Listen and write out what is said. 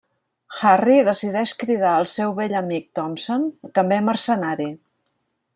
Harry decideix cridar el seu vell amic Thompson, també mercenari.